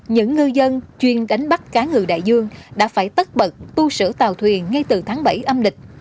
những ngư dân chuyên đánh bắt cá ngừ đại dương đã phải tất bật tu sửa tàu thuyền ngay từ tháng bảy âm lịch